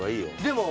でも。